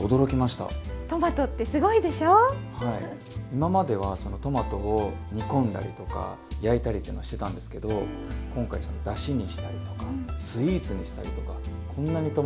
今まではそのトマトを煮込んだりとか焼いたりっていうのはしてたんですけど今回そのだしにしたりとかスイーツにしたりとかこんなにトマトの活用